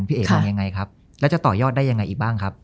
เอ๋มองยังไงครับแล้วจะต่อยอดได้ยังไงอีกบ้างครับ